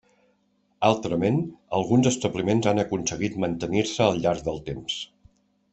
Altrament, alguns establiments han aconseguit mantenir-se al llarg del temps.